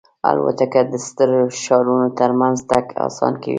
الوتکه د ستر ښارونو ترمنځ تګ آسان کړی.